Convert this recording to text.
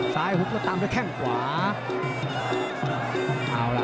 ซ้ายหุกลดตามจากแข้งขวา